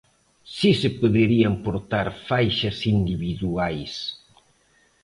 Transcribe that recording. Si se poderían portar faixas individuais.